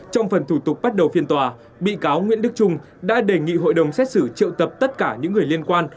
trong phần thủ tục bắt đầu phiên tòa bị cáo nguyễn đức trung đã đề nghị hội đồng xét xử triệu tập tất cả những người liên quan